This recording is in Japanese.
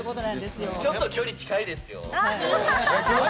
ちょっと距離、近いですよ！